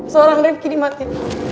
seorang riffy dimatiin